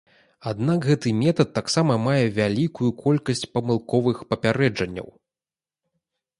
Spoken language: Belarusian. Аднак гэты метад таксама мае вялікую колькасць памылковых папярэджанняў.